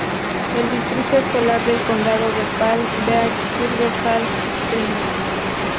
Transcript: El Distrito Escolar del Condado de Palm Beach sirve Palm Springs.